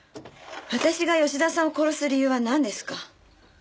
私が吉田さんを殺す理由はなんですか？